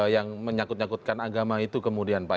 yang menyakut nyakutkan agama itu kemudian pak